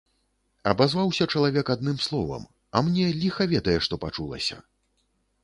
Абазваўся чалавек адным словам, а мне ліха ведае што пачулася.